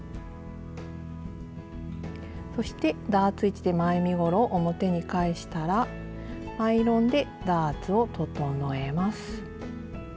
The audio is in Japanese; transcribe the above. そしてダーツ位置で前身ごろを表に返したらアイロンでダーツを整えます。